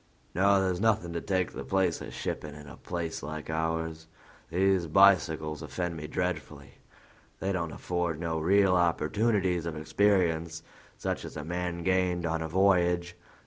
No, there's nothing to take the place of shipping in a place like ours. These bicycles offend me dreadfully; they don't afford no real opportunities of experience such as a man gained on a voyage.